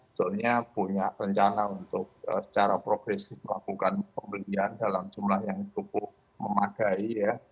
sebetulnya punya rencana untuk secara progresif melakukan pembelian dalam jumlah yang cukup memadai ya